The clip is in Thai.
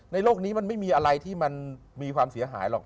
โลกนี้มันไม่มีอะไรที่มันมีความเสียหายหรอก